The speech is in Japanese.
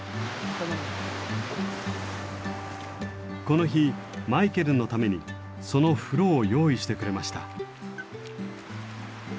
この日マイケルのためにその風呂を用意してくれました。